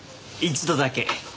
一度だけ。